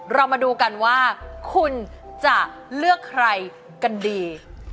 เรามาดูกันว่าคุณจะเลือกใครกันดี